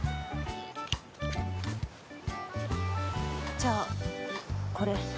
じゃあこれ。